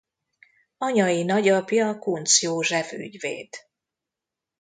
Anyai nagyapja Kuncz József ügyvéd.